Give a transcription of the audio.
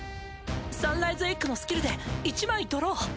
サンライズ・エッグのスキルで１枚ドロー。